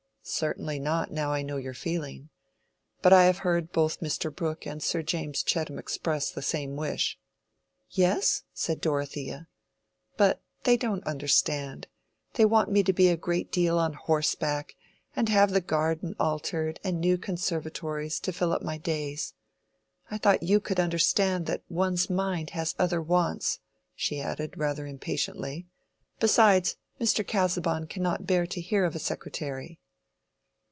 "Certainly not, now I know your feeling. But I have heard both Mr. Brooke and Sir James Chettam express the same wish." "Yes," said Dorothea, "but they don't understand—they want me to be a great deal on horseback, and have the garden altered and new conservatories, to fill up my days. I thought you could understand that one's mind has other wants," she added, rather impatiently—"besides, Mr. Casaubon cannot bear to hear of a secretary."